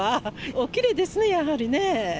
おきれいですね、やはりね。